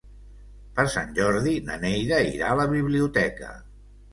Per Sant Jordi na Neida irà a la biblioteca.